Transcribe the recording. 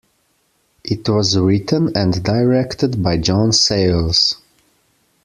It was written and directed by John Sayles.